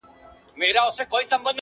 شاعرانو به کټ مټ را نقلوله!!